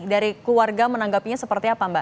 dari keluarga menanggapinya seperti apa mbak